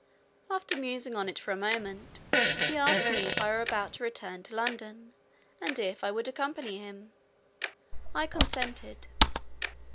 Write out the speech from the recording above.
After musing on it for a moment, he asked me if I were about to return to London, and if I would accompany him: I consented.